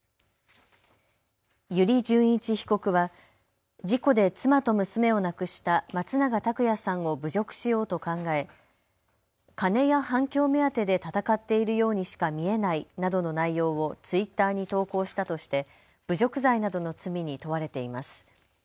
油利潤一被告は事故で妻と娘を亡くした松永拓也さんを侮辱しようと考え金や反響目当てで闘っているようにしか見えないなどの内容をツイッターに投稿したとして侮辱罪などの罪に問われています。